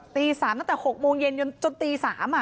ตี๓ตั้งแต่๖โมงเย็นจนตี๓